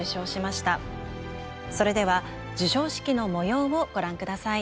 それでは授賞式の模様をご覧下さい。